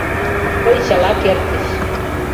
Тый чыла кертыч!